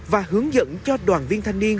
và hướng dẫn cho đoàn viên thanh niên